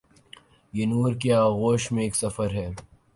یہ نور کے آغوش میں ایک سفر ہے۔